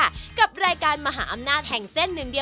อ๋อสมุนไพรสามสัญชาติ